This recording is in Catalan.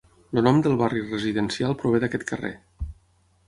El nom del barri residencial prové d'aquest carrer.